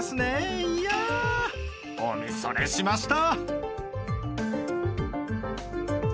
いやお見それしました！